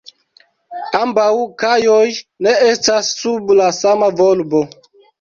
Ambaŭ kajoj ne estas sub la sama volbo.